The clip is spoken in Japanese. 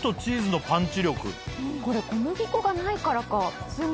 これ小麦粉がないからか。